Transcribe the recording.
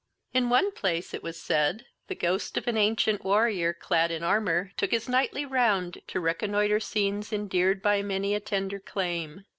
In one place, it was said the ghost of an ancient warrior, clad in armour, took his nightly round to reconnoitre scenes endeared by many a tender claim.